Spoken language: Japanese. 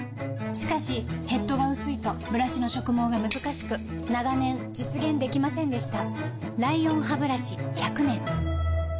しかしヘッドが薄いとブラシの植毛がむずかしく長年実現できませんでした